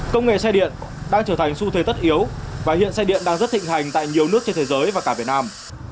công nghệ xe điện đang trở thành xu thế tất yếu và hiện xe điện đang rất thịnh hành tại nhiều nước trên thế giới và cả việt nam